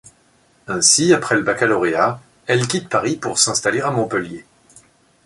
Ainsi, après le baccalauréat, elle quitte Paris pour s’installer à Montpellier.